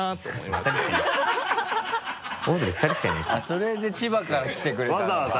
それで千葉から来てくれたのか。